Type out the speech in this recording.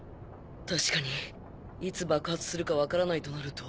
確かにいつ爆発するか分からないとなると